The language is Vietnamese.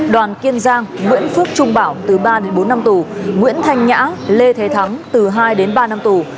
đoàn kiên giang nguyễn phước trung bảo từ ba đến bốn năm tù nguyễn thanh nhã lê thế thắng từ hai đến ba năm tù